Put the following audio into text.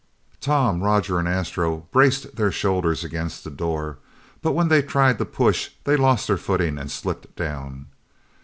Tom, Roger and Astro braced their shoulders against the door, but when they tried to push, they lost their footing and slipped down.